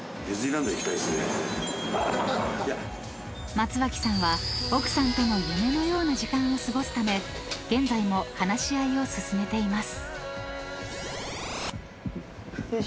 ［松脇さんは奥さんとの夢のような時間を過ごすため現在も話し合いを進めています］